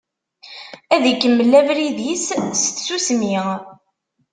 Ad ikemmel abrid-is s tsusmi.